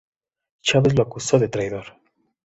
Chávez lo acusó de traidor.